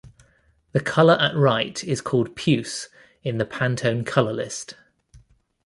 The color at right is called "puce" in the Pantone color list.